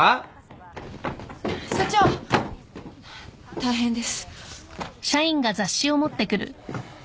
大変です。